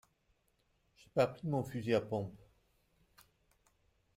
J'ai pas pris mon fusil à pompe.